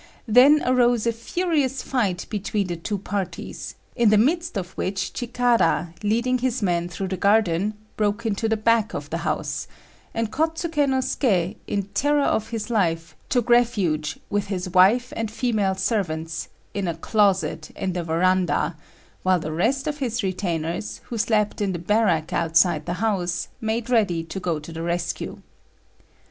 Then arose a furious fight between the two parties, in the midst of which Chikara, leading his men through the garden, broke into the back of the house; and Kôtsuké no Suké, in terror of his life, took refuge, with his wife and female servants, in a closet in the verandah; while the rest of his retainers, who slept in the barrack outside the house, made ready to go to the rescue.